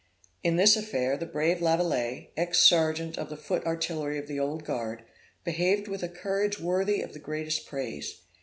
In this affair, the brave Lavilette, ex serjeant of the foot artillery of the Old Guard, behaved with a courage worthy of the greatest praise.